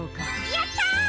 やった！